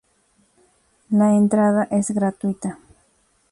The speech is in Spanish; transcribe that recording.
Le entrada es gratuita.